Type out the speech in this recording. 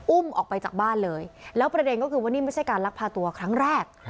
อุ้มออกไปจากบ้านเลยแล้วประเด็นก็คือว่านี่ไม่ใช่การลักพาตัวครั้งแรก